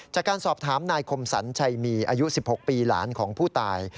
จากการสอบถามนายคมสรรชัยมีอายุ๑๖ปีหลานของผู้ตาย